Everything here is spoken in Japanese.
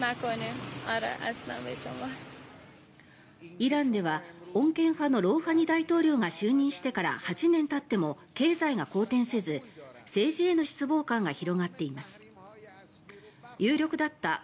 イランでは穏健派のロウハニ大統領が就任してから８年たっても経済が好転せず政治への失望感が広がっています。